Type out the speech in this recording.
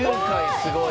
すごい！